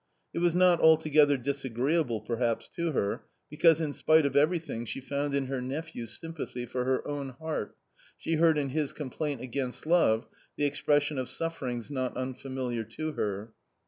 It was not I altogether disagreeable perhaps to her, because in spite of 1 everything, she found in her nephew sympathy for her own J heart, she heard in his complaint against love the expression / of sufferings not unfamiliar to her.